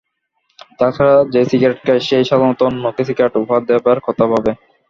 তাছাড়া যে সিগারেট খায়, সে-ই সাধারণত অন্যকে সিগারেট উপহার দেবার কথা ভাবে।